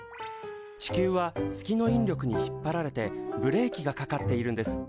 地球は月の引力に引っ張られてブレーキがかかっているんです。